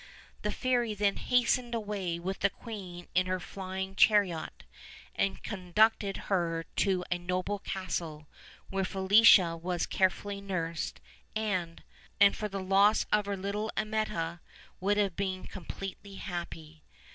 The fairy then hastened away with the queen in her flying chariot, and conducted her to a noble castle, where Felicia was carefully nursed, and, but for the loss of her little Ami etta, would have been completely happy.